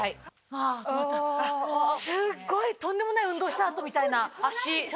すっごいとんでもない運動した後みたいな脚。